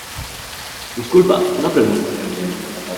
disculpa, una pregunta